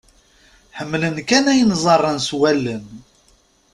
Ḥemmlen kan ayen ẓẓaren s wallen.